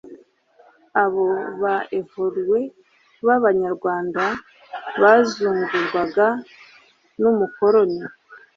abo ba evoluwe b abanyarwanda basuzugurwaga n umukoroni